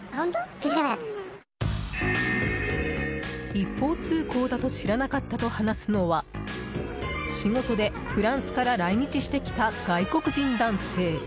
一方通行だと知らなかったと話すのは仕事でフランスから来日してきた外国人男性。